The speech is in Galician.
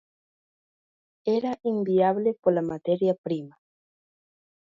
Era inviable pola materia prima.